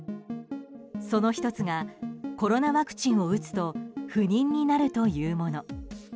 その１つがコロナワクチンを打つと不妊になるというもの。